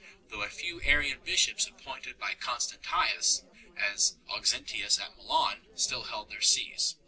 though a few Arian bishops appointed by Constantius as Aux entius at Milan still held their sees.